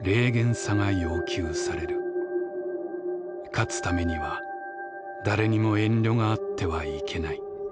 勝つ為には誰れにも遠慮があってはいけない」。